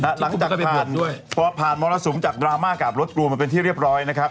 แล้วหลังจากผ่านมรสุมจากดราม่ากาบรถกลัวมาเป็นที่เรียบร้อยนะครับ